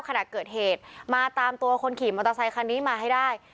ขณะเกิดเหตุมาตามตัวคนขี่มอเตอร์ไซคันนี้มาให้ได้